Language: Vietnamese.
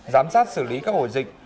giám sát xử lý các ổ dịch